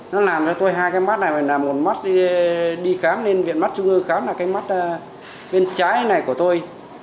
nó làm cho tôi hai cái mắt này là một mắt đi khám lên viện mắt trung ương khám là cái mắt bên trái này của tôi